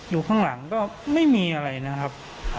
อยู่ข้างหลังก็ไม่มีอะไรนะครับ